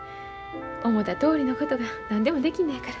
思たとおりのことが何でもできんのやから。